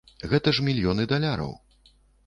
Гэта ж мільёны даляраў.